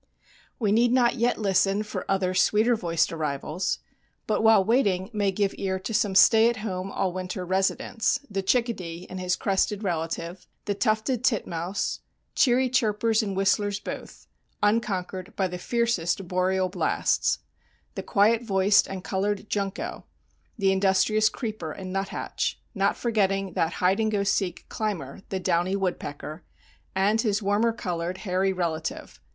We need not yet listen for other sweeter voiced arrivals, but while waiting may give ear to some stay at home all winter residents, the chickadee and his crested relative, the tufted titmouse, cheery chirpers and whistlers both, unconquered by the fiercest boreal blasts; the quiet voiced and colored junco, the industrious creeper and nuthatch, not forgetting that hide and go seek climber the downy woodpecker and his warmer colored, hairy relative.